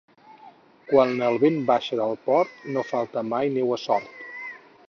Quan el vent baixa del Port, no falta mai neu a Sort.